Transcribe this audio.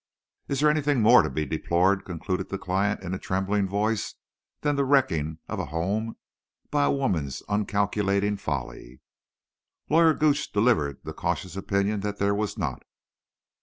Is there anything more to be deplored," concluded the client, in a trembling voice, "than the wrecking of a home by a woman's uncalculating folly?" Lawyer Gooch delivered the cautious opinion that there was not.